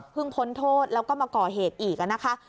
เพิ่งพ้นโทษแล้วก็มาก่อเหตุอีก